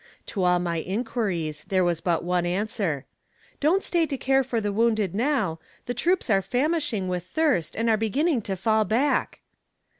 To all my inquiries there was but one answer: "Don't stay to care for the wounded now; the troops are famishing with thirst and are beginning to fall back."